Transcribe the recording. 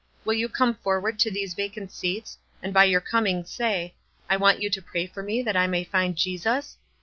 Will you come forward to these vacant seats, and by your coming say, * I want you to pray for me that I may find Jesus?'